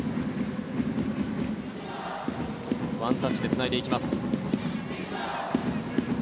ワンタッチでつないでいきます。